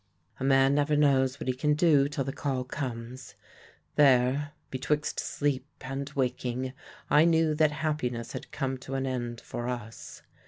"A man never knows what he can do till the call comes. There, betwixt sleep and waking, I knew that happiness had come to an end for us.